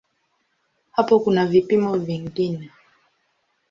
Hapo kuna vipimo vingine.